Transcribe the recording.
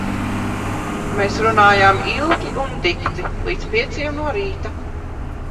Mēs runājām ilgi un dikti, līdz pieciem no rīta.